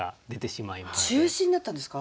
中止になったんですか？